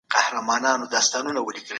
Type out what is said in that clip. که مسلمان ذمي ووژني نو وژل کېږي.